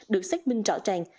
được xét minh rõ tràng